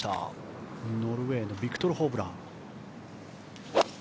ノルウェーのビクトル・ホブラン。